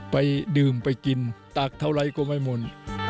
ไปดื่มไปกินตักเท่าไรก็ไม่หมด